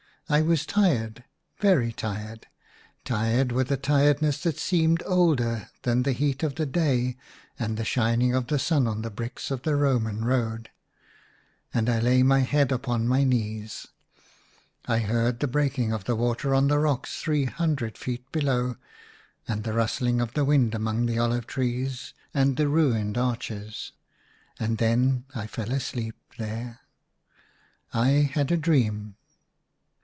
I was tired, very tired ; tired with a tiredness that seemed older than the heat of the day and the shining of the sun on the bricks of the Roman road ; and I lay my head upon my knees ; I heard the breaking of the IN A RUINED CHAPEL, 103 water on the rocks three hundred feet below, and the rustling of the wind among the olive trees and the ruined arches, and then I fell asleep there. I had a dream.